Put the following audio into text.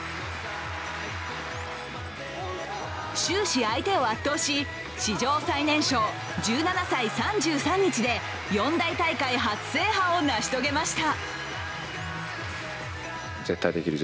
終始、相手を圧倒し、史上最年少１７歳３３日で四大大会初制覇を成し遂げました。